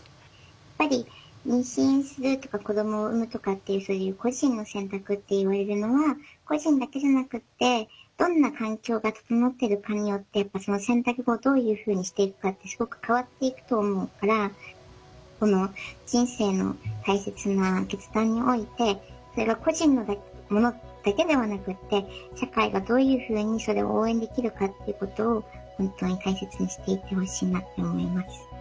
やっぱり妊娠するとか子どもを産むとかっていうそういう個人の選択っていわれるのは個人だけじゃなくってどんな環境が整っているかによってその選択をどういうふうにしていくかってすごく変わっていくと思うから人生の大切な決断においてそれが個人のものだけではなくって社会がどういうふうにそれを応援できるかっていうことを本当に大切にしていってほしいなって思います。